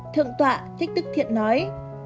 thượng tọa thích đức thiện nói